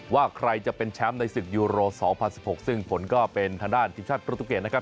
ว่าใครจะเป็นแชมป์ในศึกยูโร๒๐๑๖ซึ่งผลก็เป็นทางด้านทีมชาติโปรตูเกตนะครับ